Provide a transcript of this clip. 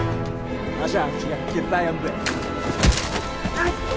あっ